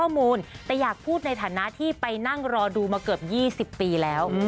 แต่อยากพูดในฐานะที่ไปนั่งรอดูมาเกือบ๒๐ปีแล้ว